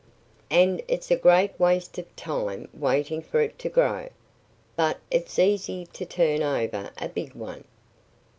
And it's a great waste of time waiting for it to grow.... But it's easy to turn over a big one."